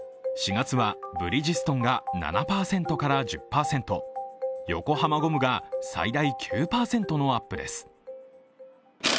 ４月はブリヂストンが７％から１０％横浜ゴムが最大９％もアップです。